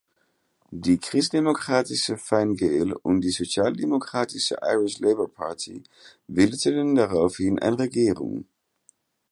Die christdemokratische Fine Gael und die sozialdemokratische Irish Labour Party bildeten daraufhin eine Regierung.